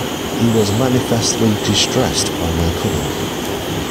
He was manifestly distressed by my coming.